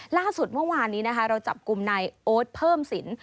ล่าสุดเมื่อวานนี้นะคะเราจับกลุ่มนายโอ๊ตเพิ่มสิน